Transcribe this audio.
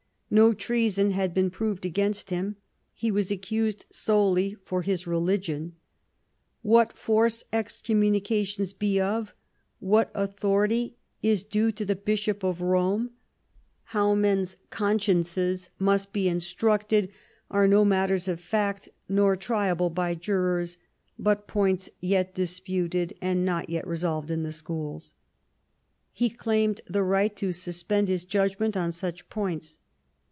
No treason had been proved against him ; he was accused solely for his religion. What force excommunications be of, what authority is due to the Bishop of Rome, how men's consciences must be instructed, are no matters of fact, nor triable by jurors, but points yet disputed and not yet resolved in the schools.*' He claimed the right to suspend his judgment on such points.